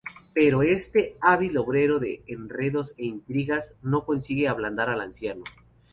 Pero este "hábil obrero de enredos e intrigas", no consigue ablandar al anciano.